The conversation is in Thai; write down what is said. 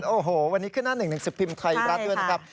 โอ้โหวันนี้ขึ้นหน้า๑๑๑๐พิมพ์ไทยรัฐด้วยนะครับ